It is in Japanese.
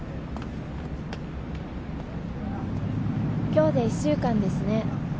今日で１週間ですね？